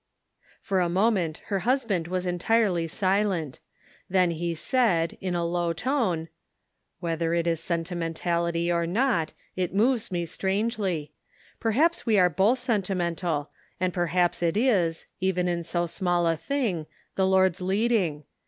For a moment her husband was entirely si lent ; then he said, in a low tone :" Whether it is sentimentality or not, it moves me strangely ; perhaps we are both sen timental, and perhaps it is, even in so small a thing, the Lord's leading.